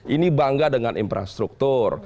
ini bangga dengan infrastruktur